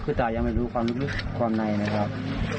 คือตายังไม่รู้ความรู้ความในเลยครับ